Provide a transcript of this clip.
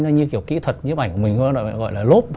như kiểu kỹ thuật như ảnh của mình gọi là lốp